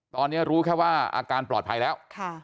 ตอนนี้รู้แค่ว่าอาการปลอดภัยแล้ว